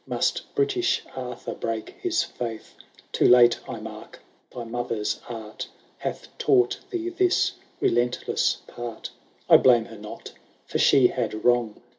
Must British Arthur break his fiuth. Too late I mark, thy mother*s art Hath taught thee this relentless part I blame her not, for she had wrong.